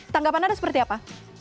tanggapan anda seperti apa